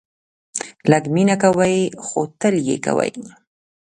لږ مینه کوئ ، خو تل یې کوئ